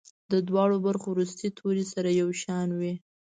د دواړو برخو وروستي توري سره یو شان وي.